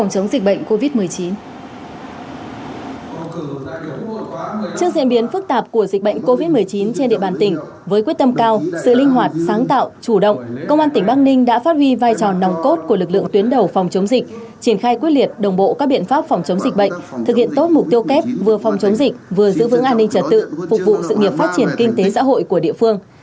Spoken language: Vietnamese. trong trường hợp phức tạp của dịch bệnh covid một mươi chín trên địa bàn tỉnh với quyết tâm cao sự linh hoạt sáng tạo chủ động công an tỉnh bắc ninh đã phát huy vai trò nòng cốt của lực lượng tuyến đầu phòng chống dịch triển khai quyết liệt đồng bộ các biện pháp phòng chống dịch bệnh thực hiện tốt mục tiêu kép vừa phòng chống dịch vừa giữ vững an ninh trật tự phục vụ sự nghiệp phát triển kinh tế xã hội của địa phương